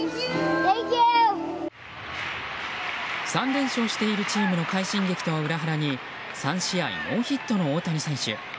３連勝しているチームの快進撃とは裏腹に３試合ノーヒットの大谷選手。